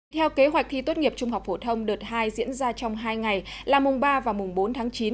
theo kế hoạch thi tốt nghiệp trung học phổ thông đợt hai diễn ra trong hai ngày là mùng ba và mùng bốn tháng chín